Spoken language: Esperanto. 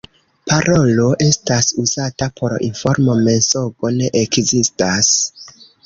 Parolo estas uzata por informo, mensogo ne ekzistas.